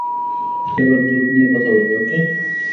এবার দুধ নিয়ে কথা বলি, ওকে?